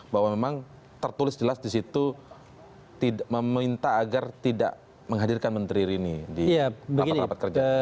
bahwa memang tertulis jelas di situ meminta agar tidak menghadirkan menteri rini di rapat rapat kerja